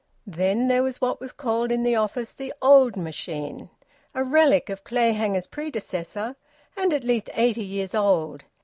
Then there was what was called in the office the `old machine,' a relic of Clayhanger's predecessor, and at least eighty years old.